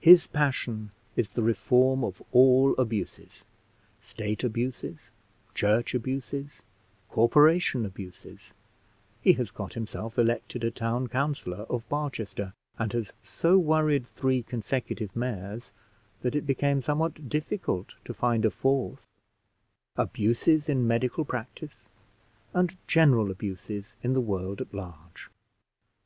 His passion is the reform of all abuses; state abuses, church abuses, corporation abuses (he has got himself elected a town councillor of Barchester, and has so worried three consecutive mayors, that it became somewhat difficult to find a fourth), abuses in medical practice, and general abuses in the world at large.